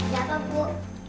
ya apa bu